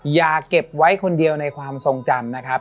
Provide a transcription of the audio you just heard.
อย่าเก็บไว้คนเดียวในความทรงจำนะครับ